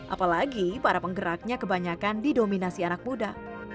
apalagi para penggeraknya kebanyakan di dominasi anak muda